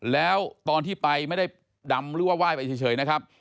แล้วตอนที่ไปไม่ได้ดำหรือว่าไหว้ไปเฉยนะครับ